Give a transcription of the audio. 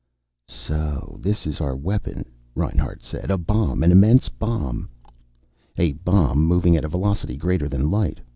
"So this is our weapon," Reinhart said. "A bomb. An immense bomb." "A bomb, moving at a velocity greater than light.